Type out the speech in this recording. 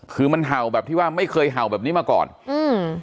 คือมันเห่าแบบที่ว่าไม่เคยเห่าแบบนี้มาก่อนอืม